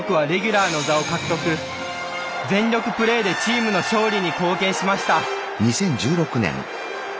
全力プレーでチームの勝利に貢献しました。